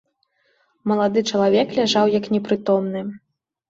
Малады чалавек ляжаў як непрытомны.